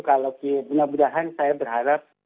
kalau kebenar benar saya berharap